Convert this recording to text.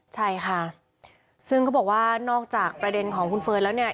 ใช่ค่ะซึ่งเขาบอกว่านอกจากประเด็นของคุณเฟิร์นแล้วเนี่ย